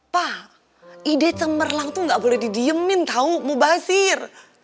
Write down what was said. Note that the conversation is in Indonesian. pa ide cemerlang tuh gak boleh didiemin tau mau basir